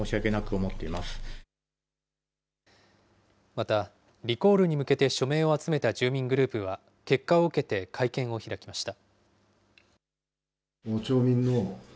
また、リコールに向けて署名を集めた住民グループは、結果を受けて会見を開きました。